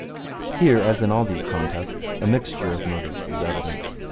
Here, as in all these contests, a mixture of motives is evident.